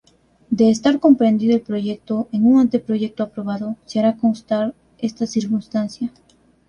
De estar comprendido el proyecto en un anteproyecto aprobado, se hará constar esta circunstancia.